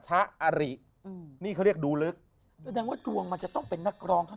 อริอืมนี่เขาเรียกดูลึกแสดงว่าดวงมันจะต้องเป็นนักร้องเท่านั้น